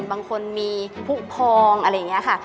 บางคนมีผู้พลมอะไรอย่าง